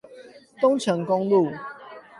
東成公路